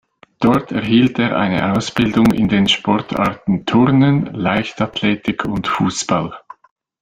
Dort erhielt er eine Ausbildung in den Sportarten Turnen, Leichtathletik und Fußball.